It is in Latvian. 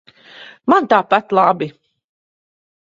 Man tāpat labi.